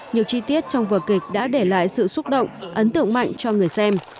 nhiều chi tiết trong vở kịch đã để lại sự xúc động ấn tượng mạnh cho người xem